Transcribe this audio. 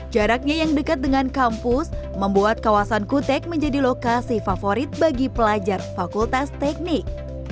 jaraknya yang dekat dengan kampus membuat kawasan kutek menjadi lokasi favorit bagi pelajar fakultas teknik